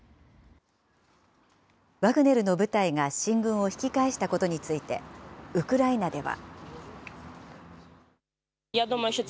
ワグネルの部隊が進軍を引き返したことについて、ウクライナでは。